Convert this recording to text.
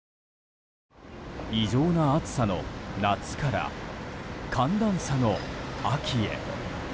異常な暑さの夏から寒暖差の秋へ。